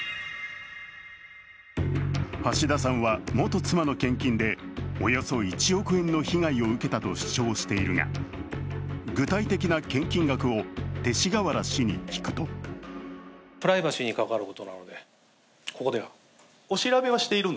橋田さんは、元妻の献金でおよそ１億円の被害を受けたと主張しているが、具体的な献金額を勅使河原氏に聞くと実に驚く発言。